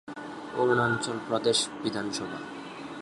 Arunachal Pradesh Vidhan Sabha